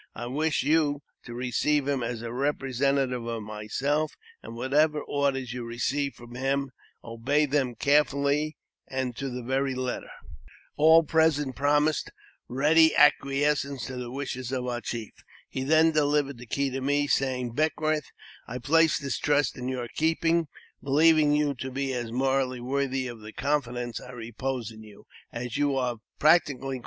I wish you to receive him as a representative of myself, and, whatever orders you receive from him, obey them cheerfullyj, and to the very letter." * All present promised ready acquiescence to the wishes of our chief. He then delivered the key to me, saying, '* Beckwourth, I place this trust in your keeping, believing you to be as morally worthy of the confidence I repose in you, as you are practically bo , JAMES P. BECKWOUBTH.